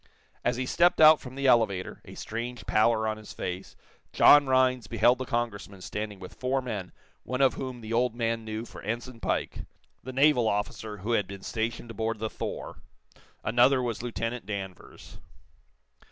As he stepped out from the elevator, a strange pallor on his face, John Rhinds beheld the Congressman standing with four men one of whom the old man knew for Ensign Pike, the naval officer who had been stationed aboard the 'Thor.' Another was Lieutenant Danvers.